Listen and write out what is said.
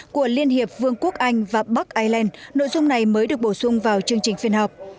của liên hiệp vương quốc anh và bắc ireland nội dung này mới được bổ sung vào chương trình phiên họp